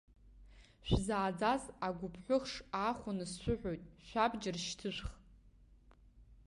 Шәзааӡаз агәыԥҳәыхш аахәаны сшәыҳәоит, шәабџьар шьҭышәх.